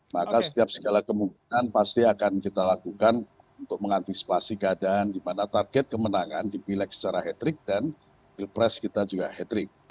maka setiap segala kemungkinan pasti akan kita lakukan untuk mengantisipasi keadaan di mana target kemenangan di bilek secara head to head dan bipres kita juga head to head